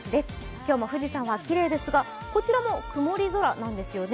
今日も富士山はきれいですが、こちらも曇り空なんですよね。